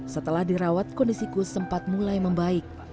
setelah dirawat kondisi kus sempat mulai membaik